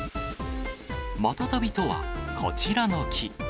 またたびとは、こちらの木。